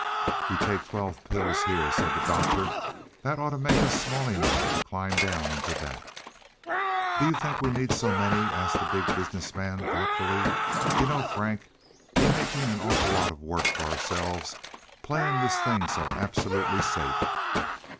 "We take twelve pills here," said the Doctor. "That ought to make us small enough to climb down into that." "Do you think we need so many?" asked the Big Business Man thoughtfully. "You know, Frank, we're making an awful lot of work for ourselves, playing this thing so absolutely safe.